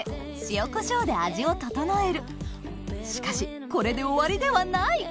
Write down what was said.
しかしこれで終わりではない！